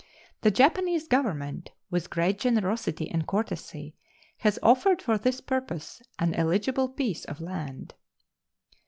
The Japanese Government, with great generosity and courtesy, has offered for this purpose an eligible piece of land.